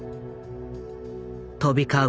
飛び交う